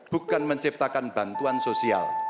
bukan menciptakan bantuan sosial